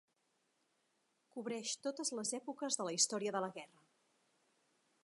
Cobreix totes les èpoques de la història de la guerra.